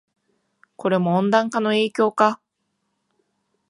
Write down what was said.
これも温暖化の影響か